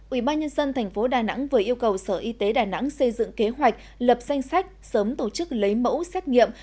ubnd tp đà nẵng vừa yêu cầu sở y tế đà nẵng xây dựng kế hoạch lập danh sách sớm tổ chức lấy mẫu xét nghiệm